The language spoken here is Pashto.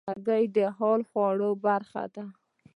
هګۍ د حلالو خوړو برخه ده.